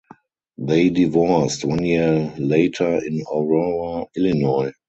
They divorced one year later in Aurora Illinois.